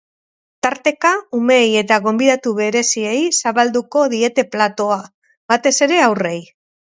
Tarteka umeei eta gonbidatu bereziei zabalduko diete platoa, batez ere haurrei.